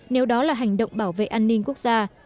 nếu đó là hành động bảo vệ an ninh quốc gia